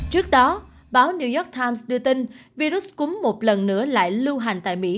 trước đó báo new york times đưa tin virus cúm một lần nữa lại lưu hành tại mỹ